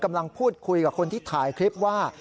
กำลังพูดคุยกับคนที่ถ่ายคลิปว่า